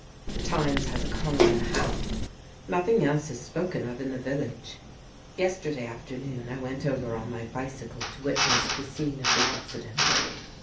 The Times has a column and a half. Nothing else is spoken of in the village. Yesterday afternoon I went over on my bicycle to witness the scene of the accident.